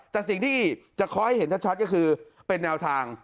แต่สิ่งที่จะเคาะให้เห็นชัดก็คือเป็นแนวทาง